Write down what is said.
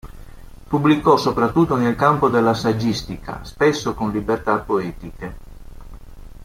Pubblicò soprattutto nel campo della saggistica, spesso con libertà poetiche.